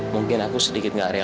mungkin aku sedikit nggak rela